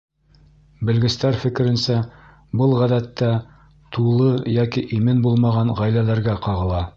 Белгестәр фекеренсә, был, ғәҙәттә, тулы йәки имен булмаған ғаиләләргә ҡағыла.